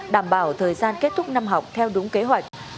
đảm bảo thời gian kết thúc năm học theo đúng kế hoạch